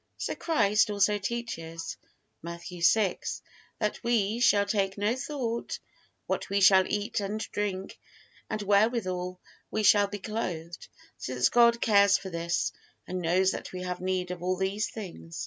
So Christ also teaches, Matthew vi, that we shall take no thought, what we shall eat and drink and wherewithal we shall be clothed, since God cares for this, and knows that we have need of all these things.